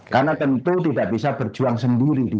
karena tentu tidak bisa berjuang sendiri